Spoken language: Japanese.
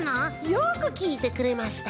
よくきいてくれました。